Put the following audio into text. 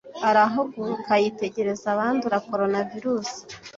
Arahaguruka yitegereza abandura Coronavirus.